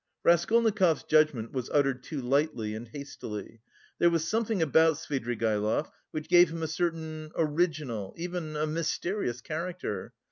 Raskolnikov's judgment was uttered too lightly and hastily: there was something about Svidrigaïlov which gave him a certain original, even a mysterious character.